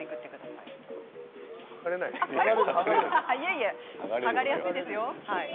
いやいや剥がれやすいですよ。